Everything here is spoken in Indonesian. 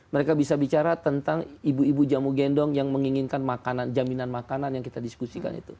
mereka bisa bicara tentang ibu ibu jamu gendong yang menginginkan makanan jaminan makanan yang kita diskusikan itu